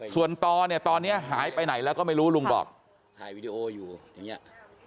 ส่วนตอเนี่ยตอนนี้หายไปไหนแล้วก็ไม่รู้ลุงบอกถ่ายวีดีโออยู่อย่างเงี้ย